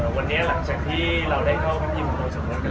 วันนี้หลังจากที่เราเข้าพันธุ์ยิง๕๐คน